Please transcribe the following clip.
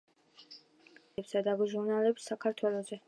გამოსცემდა გაზეთებსა და ჟურნალებს საქართველოზე.